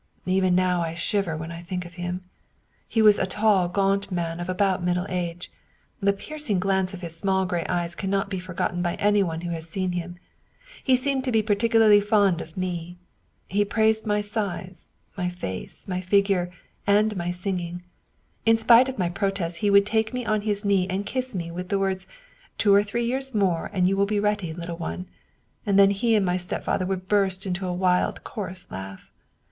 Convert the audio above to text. Even now I shiver when I think of him. He was a tall gaunt man of about middle age. The piercing glance of his small gray eyes cannot be forgotten by anyone who has seen him. He seemed to be particularly fond of me. He praised my size, my face, my figure, and my sing ing. In spite of my protests he would take me on his knee and kiss me, with the words :' Two or three years more, and you will be ready, little one !' and then he and my stepfather would burst into a wild, coarse laugh.